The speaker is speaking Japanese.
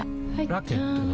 ラケットは？